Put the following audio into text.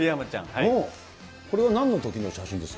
これはなんのときの写真です